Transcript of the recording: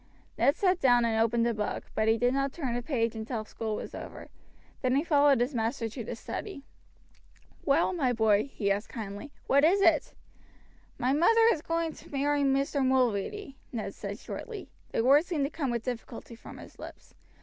Ned sat down and opened a book, but he did not turn a page until school was over; then he followed his master to the study. "Well, my boy," he asked kindly, "what is it?" "My mother is going to marry Mr. Mulready," Ned said shortly. The words seemed to come with difficulty from his lips.